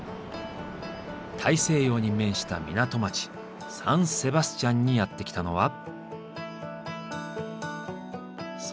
大西洋に面した港町サン・セバスチャンにやって来たのは。